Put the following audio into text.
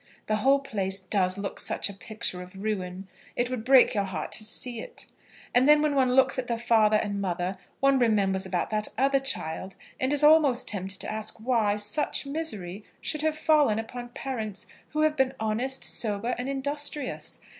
The whole place does look such a picture of ruin! It would break your heart to see it. And then, when one looks at the father and mother, one remembers about that other child, and is almost tempted to ask why such misery should have fallen upon parents who have been honest, sober, and industrious.